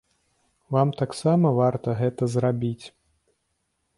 Вам таксама варта гэта зрабіць.